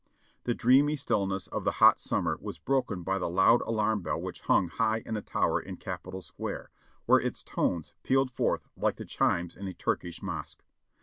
The dreamy stillness of the hot summer was broken by the loud alarm bell which hung high in a tower in Capitol Square, where its tones pealed forth like the chimes in a Turkish mosque.